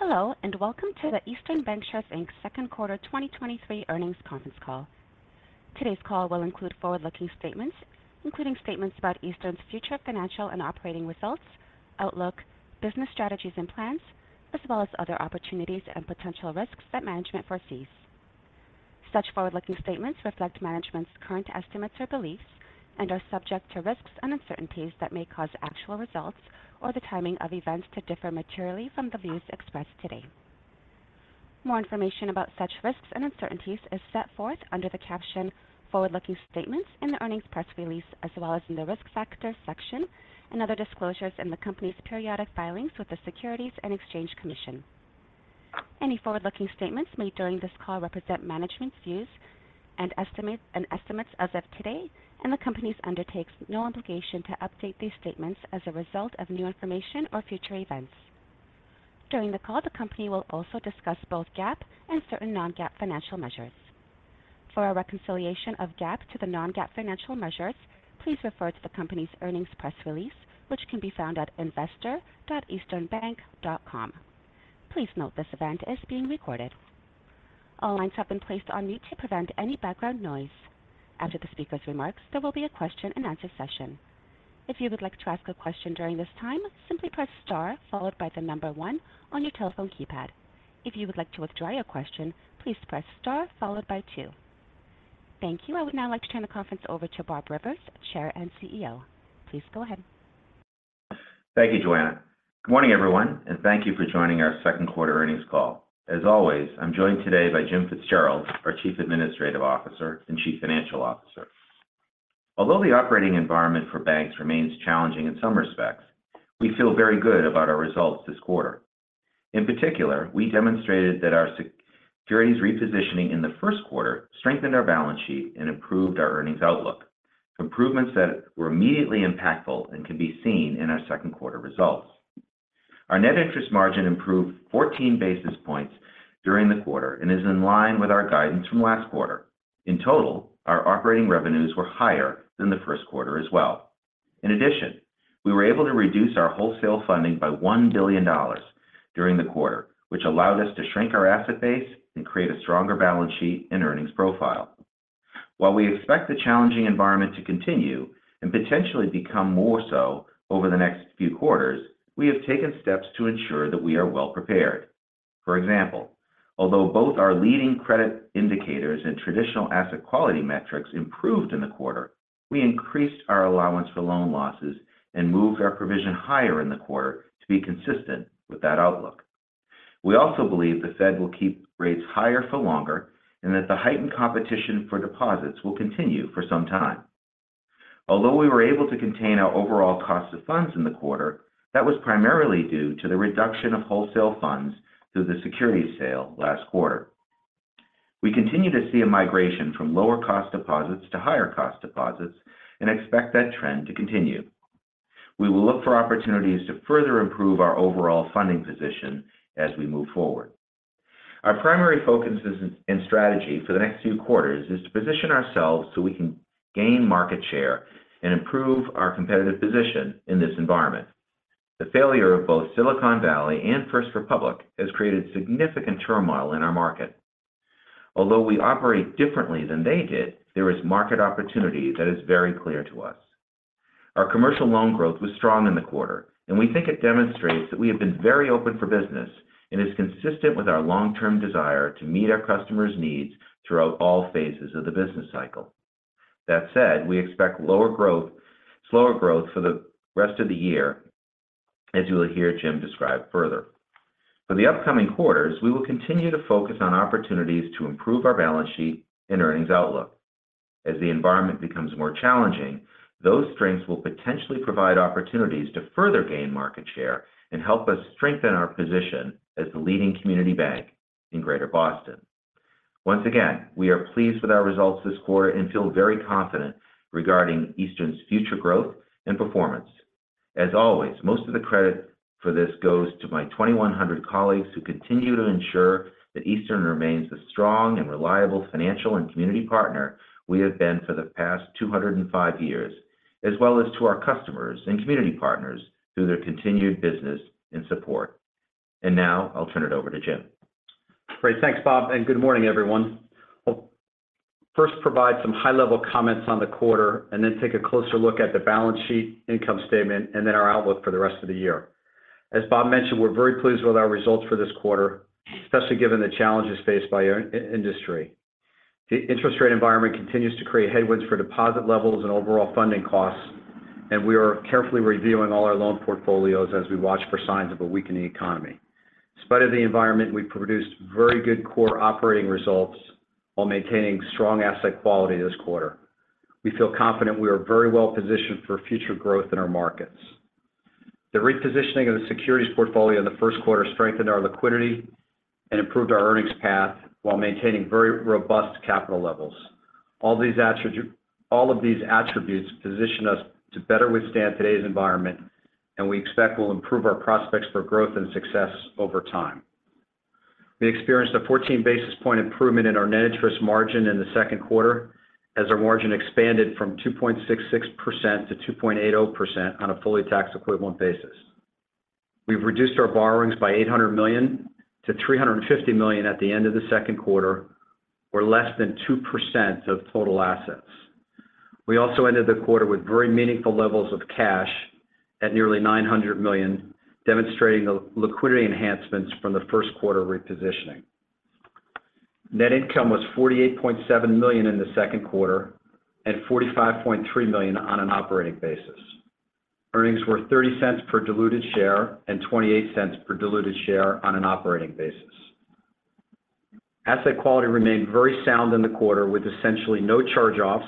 Hello, and welcome to the Eastern Bankshares, Inc.'s 2nd quarter 2023 earnings conference call. Today's call will include Forward-Looking Statements, including statements about Eastern's future financial and operating results, outlook, business strategies and plans, as well as other opportunities and potential risks that management foresees. Such Forward-Looking Statements reflect management's current estimates or beliefs and are subject to risks and uncertainties that may cause actual results or the timing of events to differ materially from the views expressed today. More information about such risks and uncertainties is set forth under the caption "Forward-Looking Statements" in the earnings press release, as well as in the Risk Factors section and other disclosures in the company's periodic filings with the Securities and Exchange Commission. Any forward-looking statements made during this call represent management's views and estimates, and estimates as of today, and the company undertakes no obligation to update these statements as a result of new information or future events. During the call, the company will also discuss both GAAP and certain non-GAAP financial measures. For a reconciliation of GAAP to the non-GAAP financial measures, please refer to the company's earnings press release, which can be found at investor.easternbank.com. Please note, this event is being recorded. All lines have been placed on mute to prevent any background noise. After the speaker's remarks, there will be a question and answer session. If you would like to ask a question during this time, simply press star followed by the number one on your telephone keypad. If you would like to withdraw your question, please press star followed by two. Thank you. I would now like to turn the conference over to Bob Rivers, Chair and CEO. Please go ahead. Thank you, Joanna. Good morning, everyone, thank you for joining our second quarter earnings call. As always, I'm joined today by Jim Fitzgerald, our Chief Administrative Officer and Chief Financial Officer. Although the operating environment for banks remains challenging in some respects, we feel very good about our results this quarter. In particular, we demonstrated that our securities repositioning in the first quarter strengthened our balance sheet and improved our earnings outlook, improvements that were immediately impactful and can be seen in our second quarter results. Our net interest margin improved 14 basis points during the quarter and is in line with our guidance from last quarter. In total, our operating revenues were higher than the first quarter as well. In addition, we were able to reduce our wholesale funding by $1 billion during the quarter, which allowed us to shrink our asset base and create a stronger balance sheet and earnings profile. While we expect the challenging environment to continue and potentially become more so over the next few quarters, we have taken steps to ensure that we are well prepared. For example, although both our leading credit indicators and traditional asset quality metrics improved in the quarter, we increased our allowance for loan losses and moved our provision higher in the quarter to be consistent with that outlook. We also believe the Fed will keep rates higher for longer and that the heightened competition for deposits will continue for some time. Although we were able to contain our overall cost of funds in the quarter, that was primarily due to the reduction of wholesale funds through the securities sale last quarter. We continue to see a migration from lower cost deposits to higher cost deposits and expect that trend to continue. We will look for opportunities to further improve our overall funding position as we move forward. Our primary focus is, and strategy for the next few quarters is to position ourselves so we can gain market share and improve our competitive position in this environment. The failure of both Silicon Valley and First Republic has created significant turmoil in our market. Although we operate differently than they did, there is market opportunity that is very clear to us. Our commercial loan growth was strong in the quarter, and we think it demonstrates that we have been very open for business and is consistent with our long-term desire to meet our customers' needs throughout all phases of the business cycle. That said, we expect lower growth -- slower growth for the rest of the year, as you will hear Jim describe further. For the upcoming quarters, we will continue to focus on opportunities to improve our balance sheet and earnings outlook. As the environment becomes more challenging, those strengths will potentially provide opportunities to further gain market share and help us strengthen our position as the leading community bank in Greater Boston. Once again, we are pleased with our results this quarter and feel very confident regarding Eastern's future growth and performance. As always, most of the credit for this goes to my 2,100 colleagues who continue to ensure that Eastern remains the strong and reliable financial and community partner we have been for the past 205 years, as well as to our customers and community partners through their continued business and support. Now I'll turn it over to Jim. Great. Thanks, Bob. Good morning, everyone. I'll first provide some high-level comments on the quarter and then take a closer look at the balance sheet, income statement, and then our outlook for the rest of the year. As Bob mentioned, we're very pleased with our results for this quarter, especially given the challenges faced by our industry. The interest rate environment continues to create headwinds for deposit levels and overall funding costs. We are carefully reviewing all our loan portfolios as we watch for signs of a weakening economy. In spite of the environment, we produced very good core operating results while maintaining strong asset quality this quarter. We feel confident we are very well positioned for future growth in our markets. The repositioning of the securities portfolio in the first quarter strengthened our liquidity and improved our earnings path while maintaining very robust capital levels. All these attributes, all of these attributes position us to better withstand today's environment and we expect will improve our prospects for growth and success over time. We experienced a 14 basis points improvement in our net interest margin in the second quarter, as our margin expanded from 2.66% to 2.80% on a fully tax equivalent basis. We've reduced our borrowings by $800 million to $350 million at the end of the second quarter, or less than 2% of total assets. We also ended the quarter with very meaningful levels of cash at nearly $900 million, demonstrating the liquidity enhancements from the first quarter repositioning. Net income was $48.7 million in the second quarter, and $45.3 million on an operating basis. Earnings were $0.30 per diluted share and $0.28 per diluted share on an operating basis. Asset quality remained very sound in the quarter, with essentially no charge-offs,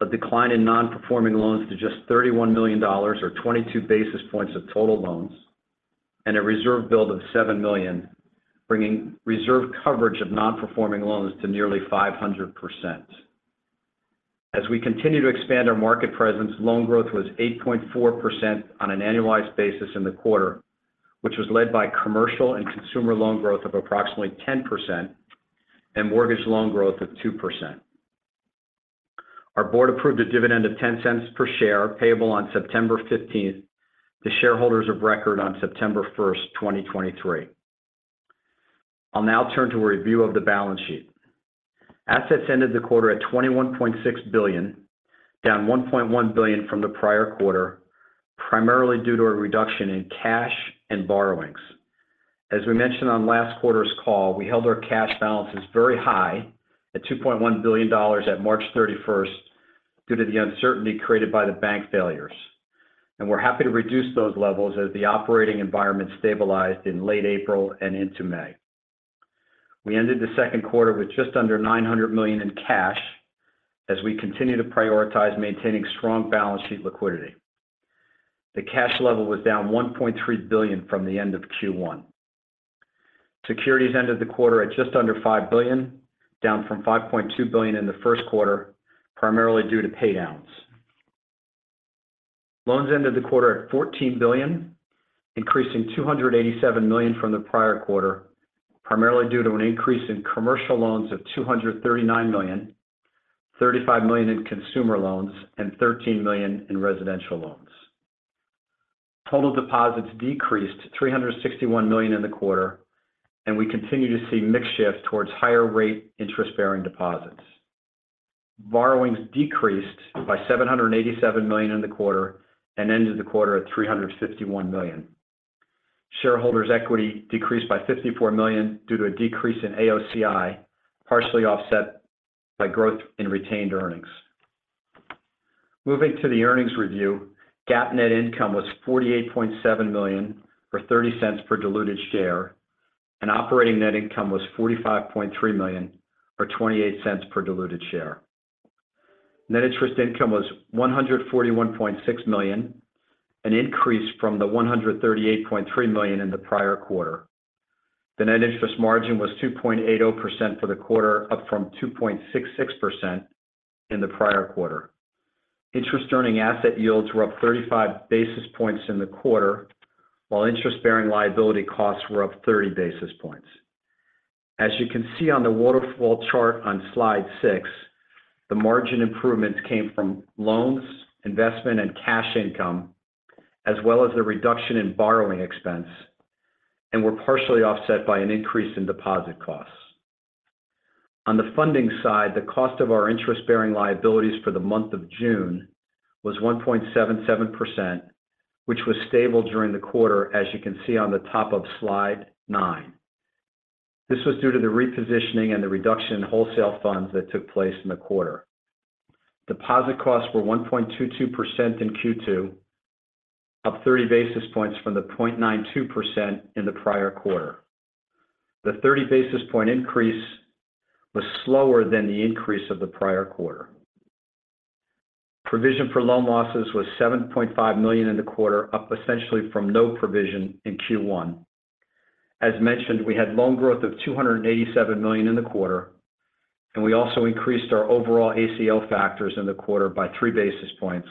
a decline in non-performing loans to just $31 million, or 22 basis points of total loans, and a reserve build of $7 million, bringing reserve coverage of non-performing loans to nearly 500%. As we continue to expand our market presence, loan growth was 8.4% on an annualized basis in the quarter, which was led by commercial and consumer loan growth of approximately 10% and mortgage loan growth of 2%. Our board approved a dividend of $0.10 per share, payable on September 15th to shareholders of record on September 1st, 2023. I'll now turn to a review of the balance sheet. Assets ended the quarter at $21.6 billion, down $1.1 billion from the prior quarter, primarily due to a reduction in cash and borrowings. As we mentioned on last quarter's call, we held our cash balances very high at $2.1 billion at March thirty-first due to the uncertainty created by the bank failures. We're happy to reduce those levels as the operating environment stabilized in late April and into May. We ended the second quarter with just under $900 million in cash as we continue to prioritize maintaining strong balance sheet liquidity. The cash level was down $1.3 billion from the end of Q1. Securities ended the quarter at just under $5 billion, down from $5.2 billion in the first quarter, primarily due to pay downs. Loans ended the quarter at $14 billion, increasing $287 million from the prior quarter, primarily due to an increase in commercial loans of $239 million, $35 million in consumer loans, and $13 million in residential loans. Total deposits decreased $361 million in the quarter. We continue to see mix shift towards higher rate interest-bearing deposits. Borrowings decreased by $787 million in the quarter and ended the quarter at $351 million. Shareholders' equity decreased by $54 million due to a decrease in AOCI, partially offset by growth in retained earnings. Moving to the earnings review, GAAP net income was $48.7 million, or $0.30 per diluted share. Operating net income was $45.3 million, or $0.28 per diluted share. Net interest income was $141.6 million, an increase from the $138.3 million in the prior quarter. The NIM was 2.80% for the quarter, up from 2.66% in the prior quarter. Interest earning asset yields were up 35 basis points in the quarter, while interest-bearing liability costs were up 30 basis points. As you can see on the waterfall chart on slide six, the margin improvements came from loans, investment, and cash income, as well as a reduction in borrowing expense, were partially offset by an increase in deposit costs. On the funding side, the cost of our interest-bearing liabilities for the month of June was 1.77%, which was stable during the quarter, as you can see on the top of slide nine. This was due to the repositioning and the reduction in wholesale funds that took place in the quarter. Deposit costs were 1.22% in Q2, up 30 basis points from the 0.92% in the prior quarter. The 30 basis point increase was slower than the increase of the prior quarter. Provision for loan losses was $7.5 million in the quarter, up essentially from no provision in Q1. As mentioned, we had loan growth of $287 million in the quarter, and we also increased our overall ACL factors in the quarter by 3 basis points,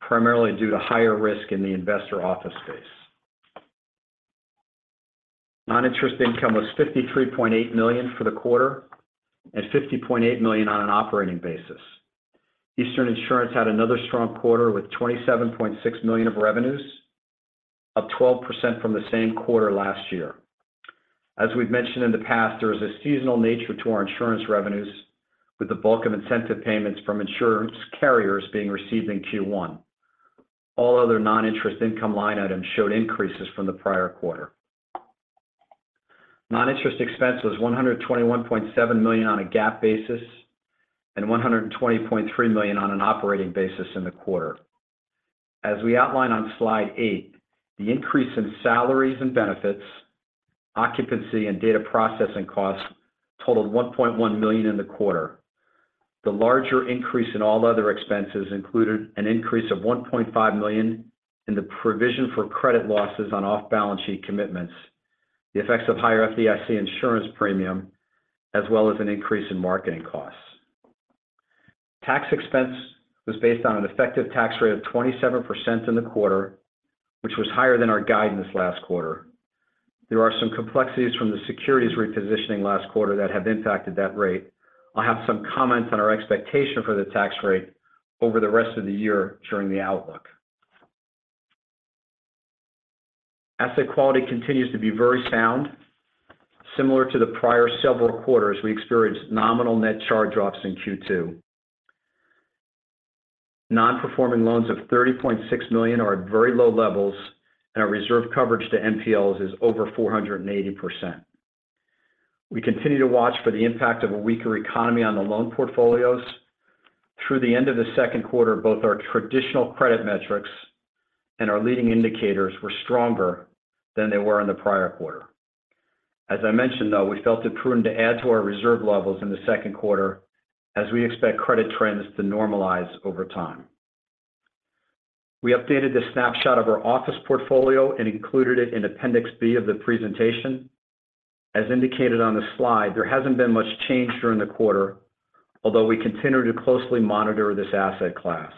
primarily due to higher risk in the investor office space. Non-interest income was $53.8 million for the quarter and $50.8 million on an operating basis. Eastern Insurance had another strong quarter with $27.6 million of revenues, up 12% from the same quarter last year. As we've mentioned in the past, there is a seasonal nature to our insurance revenues, with the bulk of incentive payments from insurance carriers being received in Q1. All other non-interest income line items showed increases from the prior quarter. Non-interest expense was $121.7 million on a GAAP basis and $120.3 million on an operating basis in the quarter. As we outline on slide 8, the increase in salaries and benefits, occupancy, and data processing costs totaled $1.1 million in the quarter. The larger increase in all other expenses included an increase of $1.5 million in the provision for credit losses on off-balance sheet commitments, the effects of higher FDIC insurance premium, as well as an increase in marketing costs....Tax expense was based on an effective tax rate of 27% in the quarter, which was higher than our guidance last quarter. There are some complexities from the securities repositioning last quarter that have impacted that rate. I'll have some comments on our expectation for the tax rate over the rest of the year during the outlook. Asset quality continues to be very sound. Similar to the prior several quarters, we experienced nominal net charge-offs in Q2. Non-Performing Loans of $30.6 million are at very low levels, and our reserve coverage to NPLs is over 480%. We continue to watch for the impact of a weaker economy on the loan portfolios. Through the end of the second quarter, both our traditional credit metrics and our leading indicators were stronger than they were in the prior quarter. As I mentioned, though, we felt it prudent to add to our reserve levels in the second quarter as we expect credit trends to normalize over time. We updated the snapshot of our office portfolio and included it in Appendix B of the presentation. As indicated on the slide, there hasn't been much change during the quarter, although we continue to closely monitor this asset class.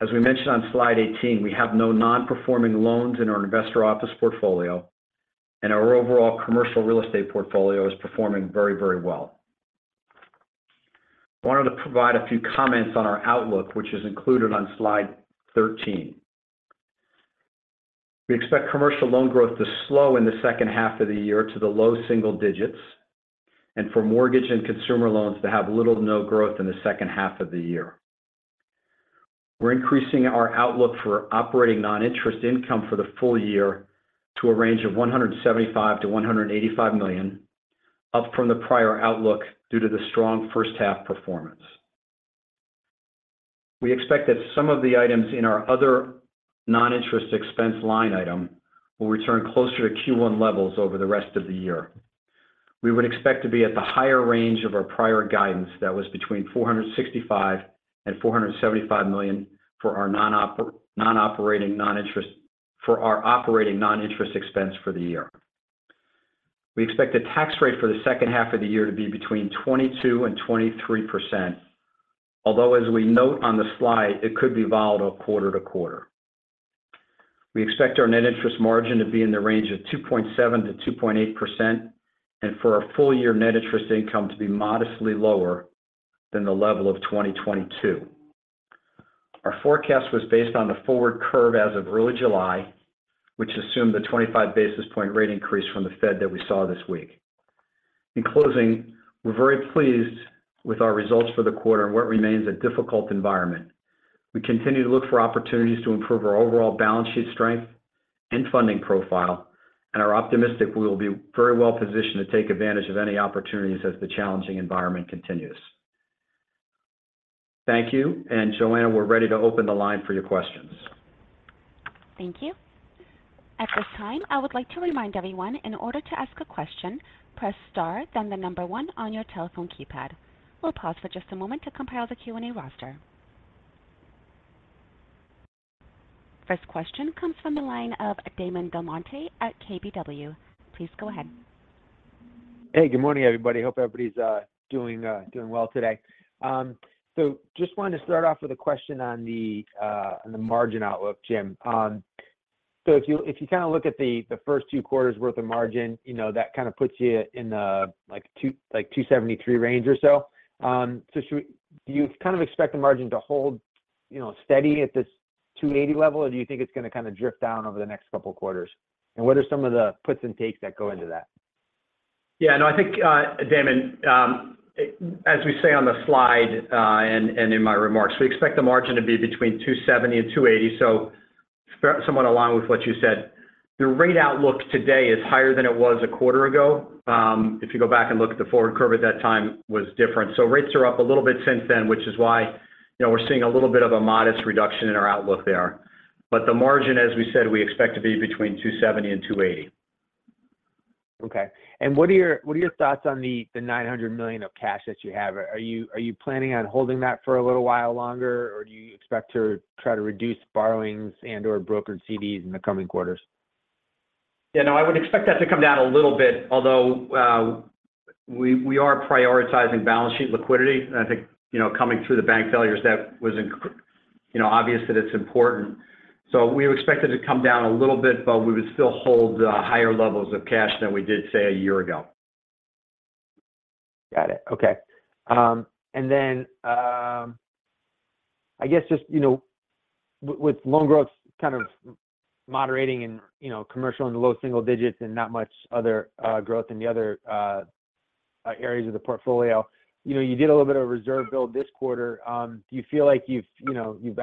As we mentioned on slide 18, we have no non-performing loans in our investor office portfolio, and our overall commercial real estate portfolio is performing very, very well. I wanted to provide a few comments on our outlook, which is included on slide 13. We expect commercial loan growth to slow in the second half of the year to the low single digits, and for mortgage and consumer loans to have little to no growth in the second half of the year. We're increasing our outlook for operating non-interest income for the full year to a range of $175 million-$185 million, up from the prior outlook due to the strong first half performance. We expect that some of the items in our other non-interest expense line item will return closer to Q1 levels over the rest of the year. We would expect to be at the higher range of our prior guidance that was between $465 million and $475 million for our operating non-interest expense for the year. We expect the tax rate for the second half of the year to be between 22%-23%, although as we note on the slide, it could be volatile quarter to quarter. We expect our net interest margin to be in the range of 2.7%-2.8%, and for our full year net interest income to be modestly lower than the level of 2022. Our forecast was based on the forward curve as of early July, which assumed the 25 basis point rate increase from the Fed that we saw this week. In closing, we're very pleased with our results for the quarter and what remains a difficult environment. We continue to look for opportunities to improve our overall balance sheet strength and funding profile, and are optimistic we will be very well positioned to take advantage of any opportunities as the challenging environment continues. Thank you. Joanna, we're ready to open the line for your questions. Thank you. At this time, I would like to remind everyone, in order to ask a question, press star, then the number one on your telephone keypad. We'll pause for just a moment to compile the Q&A roster. First question comes from the line of Damon DelMonte at KBW. Please go ahead. Hey, good morning, everybody. Hope everybody's doing well today. Just wanted to start off with a question on the margin outlook, Jim. If you, if you kind of look at the, the first two quarters worth of margin, you know, that kind of puts you in the like 2.73 range or so. Do you kind of expect the margin to hold, you know, steady at this 2.80 level, or do you think it's going to kind of drift down over the next couple of quarters? What are some of the puts and takes that go into that? Yeah, no, I think, Damon, as we say on the slide, and in my remarks, we expect the margin to be between 270 and 280. Somewhat along with what you said, the rate outlook today is higher than it was a quarter ago. If you go back and look at the forward curve at that time was different. Rates are up a little bit since then, which is why, you know, we're seeing a little bit of a modest reduction in our outlook there. The margin, as we said, we expect to be between 270 and 280. Okay. What are your, what are your thoughts on the, the $900 million of cash that you have? Are you, are you planning on holding that for a little while longer, or do you expect to try to reduce borrowings and/or brokered CDs in the coming quarters? Yeah, no, I would expect that to come down a little bit, although, we, we are prioritizing balance sheet liquidity. I think, you know, coming through the bank failures, that was you know, obvious that it's important. We expect it to come down a little bit, but we would still hold, higher levels of cash than we did, say, a year ago. Got it. Okay. I guess just, you know, with loan growth kind of moderating and, you know, commercial in the low single digits and not much other, growth in the other, areas of the portfolio, you know, you did a little bit of reserve build this quarter. Do you feel like you've, you know, you've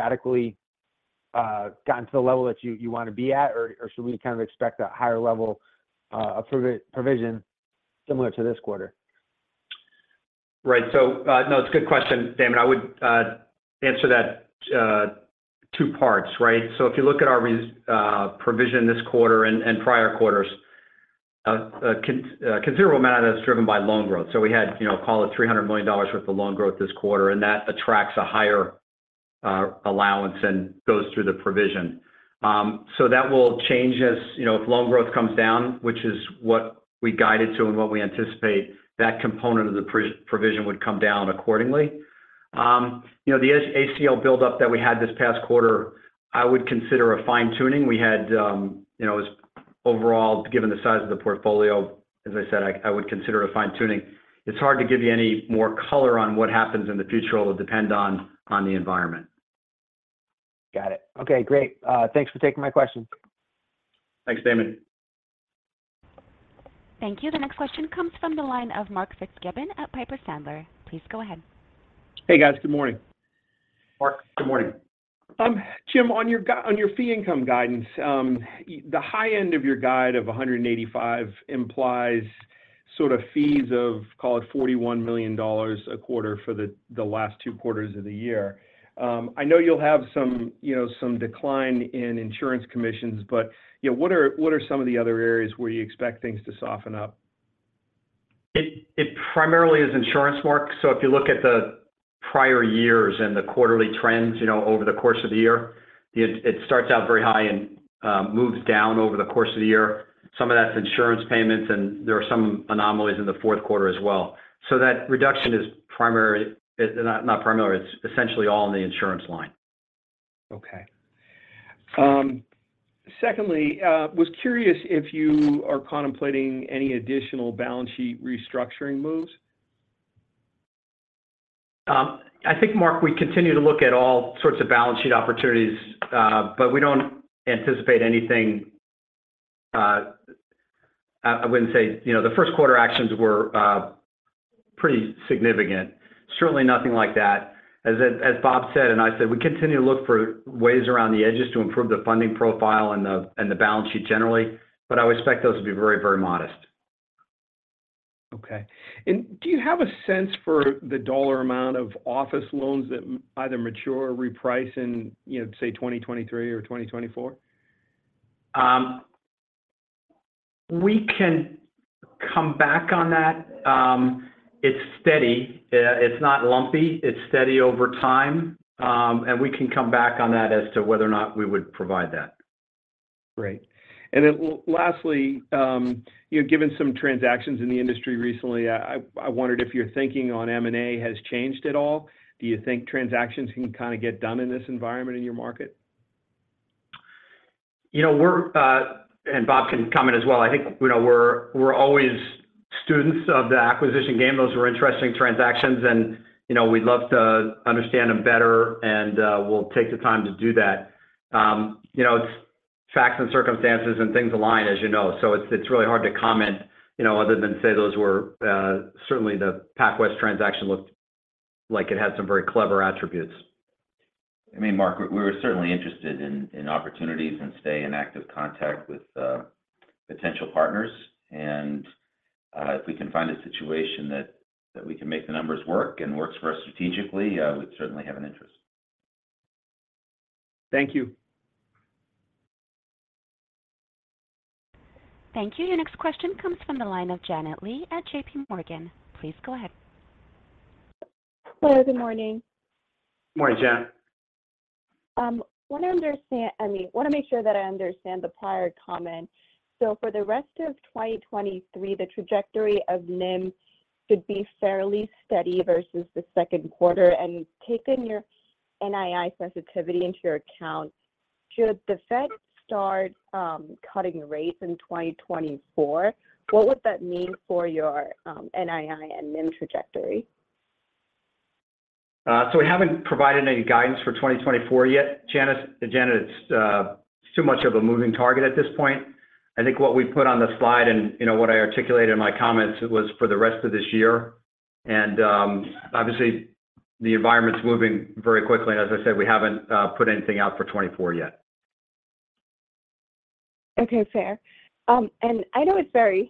radically, gotten to the level that you, you want to be at? Or, should we kind of expect a higher level, of provision similar to this quarter? Right. No, it's a good question, Damon. I would answer that two parts, right? If you look at our provision this quarter and prior quarters, considerable amount of that is driven by loan growth. We had, you know, call it $300 million worth of loan growth this quarter, and that attracts a higher allowance and goes through the provision. That will change as, you know, if loan growth comes down, which is what we guided to and what we anticipate, that component of the provision would come down accordingly. You know, the ACL buildup that we had this past quarter, I would consider a fine-tuning. We had, you know, as overall, given the size of the portfolio, as I said, I, I would consider a fine-tuning. It's hard to give you any more color on what happens in the future. It will depend on the environment. Got it. Okay, great. Thanks for taking my question. Thanks, Damon. Thank you. The next question comes from the line of Mark Fitzgibbon at Piper Sandler. Please go ahead. Hey, guys. Good morning. Mark, good morning. Jim, on your on your fee income guidance, the high end of your guide of 185 implies sort of fees of, call it $41 million a quarter for the, the last 2 quarters of the year. I know you'll have some, you know, some decline in insurance commissions, but, you know, what are, what are some of the other areas where you expect things to soften up? It, it primarily is insurance, Mark. If you look at the prior years and the quarterly trends, you know, over the course of the year, it, it starts out very high and moves down over the course of the year. Some of that's insurance payments, and there are some anomalies in the fourth quarter as well. That reduction is not, not primary, it's essentially all in the insurance line. Okay. Secondly, was curious if you are contemplating any additional balance sheet restructuring moves? I think, Mark, we continue to look at all sorts of balance sheet opportunities, but we don't anticipate anything. I, I wouldn't say... You know, the first quarter actions were pretty significant. Certainly, nothing like that. As, as Bob said, and I said, we continue to look for ways around the edges to improve the funding profile and the, and the balance sheet generally, but I would expect those to be very, very modest. Okay. And do you have a sense for the dollar amount of office loans that either mature or reprice in, you know, say, 2023 or 2024? We can come back on that. It's steady. It's not lumpy. We can come back on that as to whether or not we would provide that. Great. Then l- lastly, you know, given some transactions in the industry recently, I, I, I wondered if your thinking on M&A has changed at all. Do you think transactions can kind of get done in this environment in your market? You know, and Bob can comment as well. I think, you know, we're, we're always students of the acquisition game. Those were interesting transactions, and, you know, we'd love to understand them better, and, we'll take the time to do that. You know, it's facts and circumstances and things align, as you know, so it's, it's really hard to comment, you know, other than say those were, certainly the PacWest transaction looked like it had some very clever attributes. I mean, Mark, we're certainly interested in, in opportunities and stay in active contact with potential partners. If we can find a situation that, that we can make the numbers work and works for us strategically, we'd certainly have an interest. Thank you. Thank you. Your next question comes from the line of Janet Lee at JP Morgan. Please go ahead. Hello, good morning. Morning, Jan. I mean, want to make sure that I understand the prior comment. For the rest of 2023, the trajectory of NIM should be fairly steady versus the 2nd quarter. Taking your NII sensitivity into your account, should the Fed start cutting rates in 2024, what would that mean for your NII and NIM trajectory? So we haven't provided any guidance for 2024 yet, Janet. Janet, it's too much of a moving target at this point. I think what we put on the slide and, you know, what I articulated in my comments, it was for the rest of this year. Obviously, the environment's moving very quickly, and as I said, we haven't put anything out for 24 yet. Okay, fair. I know it's very,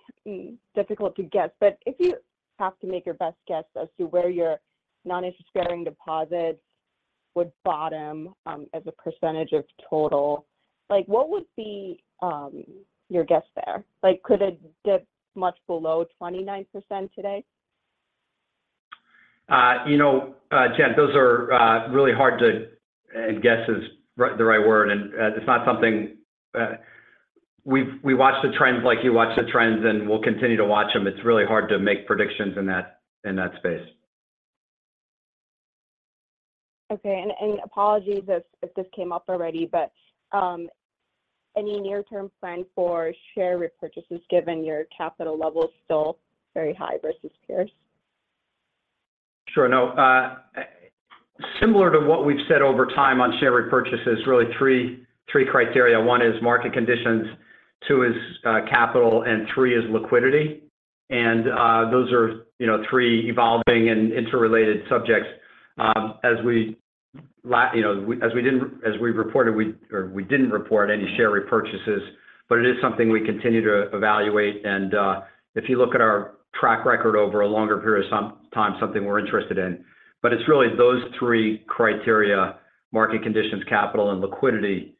difficult to guess, but if you have to make your best guess as to where your non-interest-bearing deposits would bottom, as a percentage of total, like, what would be your guess there? Like, could it dip much below 29% today? You know, Jan, those are really hard to, and guess is the right word, and it's not something. We, we watch the trends like you watch the trends, and we'll continue to watch them. It's really hard to make predictions in that, in that space. Okay, apologies if, if this came up already, any near-term plan for share repurchases, given your capital levels still very high versus peers? Sure. No, similar to what we've said over time on share repurchases, really three, three criteria. One is market conditions, two is capital, and three is liquidity. Those are, you know, three evolving and interrelated subjects. As we you know, as we reported, we, or we didn't report any share repurchases, but it is something we continue to evaluate, and if you look at our track record over a longer period of some time, something we're interested in. It's really those three criteria, market conditions, capital, and liquidity,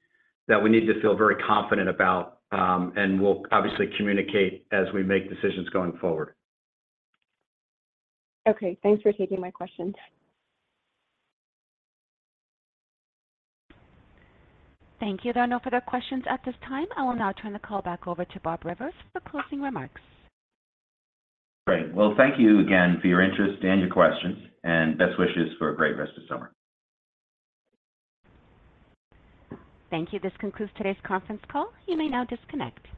that we need to feel very confident about, and we'll obviously communicate as we make decisions going forward. Okay, thanks for taking my questions. Thank you. There are no further questions at this time. I will now turn the call back over to Bob Rivers for closing remarks. Great. Well, thank you again for your interest and your questions. Best wishes for a great rest of summer. Thank you. This concludes today's conference call. You may now disconnect.